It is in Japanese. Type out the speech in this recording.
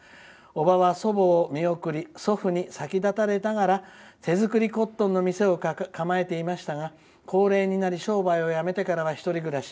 おばは祖母を見送り祖父に先立たれながら手作りコットンの店を構えていましたが、高齢になり商売をやめてからは１人暮らし。